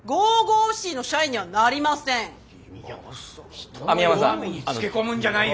人の弱みにつけ込むんじゃないよ。